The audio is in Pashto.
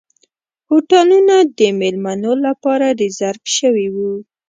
هوټلونه د میلمنو لپاره ریزرف شوي وو.